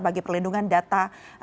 bagi perlindungan data